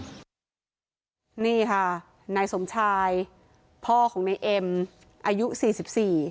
นี่ค่ะนายสมชายพ่อของในเอ็มอายุสี่สิบสี่